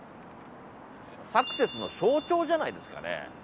サクセスの象徴じゃないですかね。